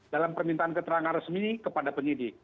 dalam permintaan keterangan resmi kepada penyidik